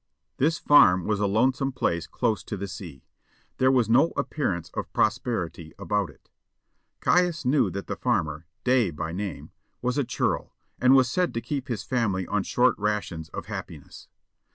This farm was a lonesome place close to the sea; there was no appearance of prosperity about it. Caius knew that the farmer, Day by name, was a churl, and was said to keep his family on short rations of happiness.